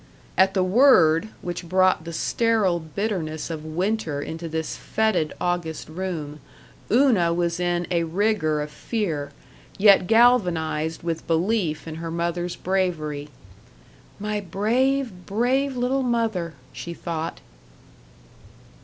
At the word, which brought the sterile bitterness of winter into this fetid August room, Una was in a rigor of fear, yet galvanized with belief in her mother's bravery. "My brave, brave little mother!" she thought.